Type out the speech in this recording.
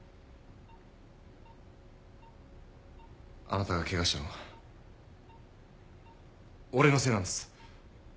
あなたがケガしたのは俺のせいなんです。